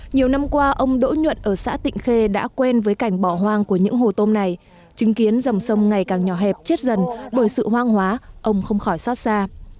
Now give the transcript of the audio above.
nhiều năm qua ông đỗ nhuận ở xã tịnh khê đã quen với cảnh bỏ hoang của những hồ tôm này chứng kiến dòng sông ngày càng nhỏ hẹp chết dần bởi sự hoang hóa ông không khỏi xót xa